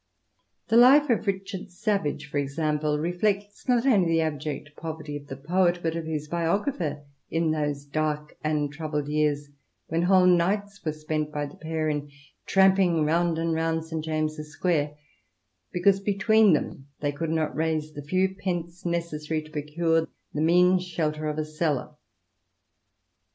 The Life of Richard Savage^ for example, reflects not only the abject poverty of the poet but of his biographer, in those dark and troubled years when whole nights were spent by the pair in tramping round and round St. James' Square because between them they could not raise the few pence necessary to procure the mean shelter of a cellar.